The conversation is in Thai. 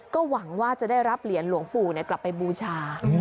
ก็หวังว่าจะได้รับเหรียญหลวงปู่กลับไปบูชา